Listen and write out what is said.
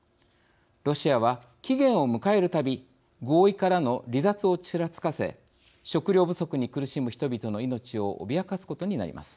ロシアは期限を迎えるたび合意からの離脱をちらつかせ食料不足に苦しむ人々の命を脅かすことになります。